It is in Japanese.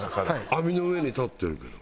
網の上に立ってるけど。